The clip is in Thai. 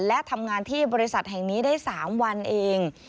และทำงานที่บริษัทแห่งนี้ได้๓วันเอง